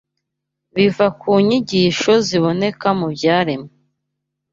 biva ku nyigisho ziboneka mu byaremwe